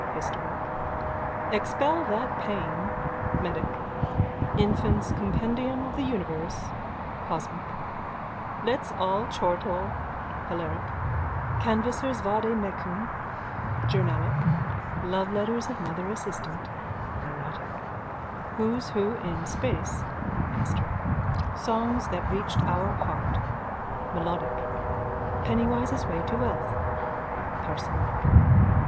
(historic), Expel that Pain (medic), Infant's Compendium of the Universe (cosmic), Let's All Chortle (hilaric), Canvasser's Vade Mecum (journalic), Loveletters of Mother Assistant (erotic), Who's Who in Space (astric), Songs that Reached Our Heart (melodic), Pennywise's Way to Wealth (parsimonic).